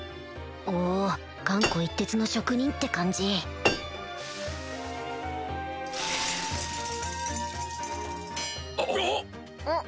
お頑固一徹の職人って感じ・あっ！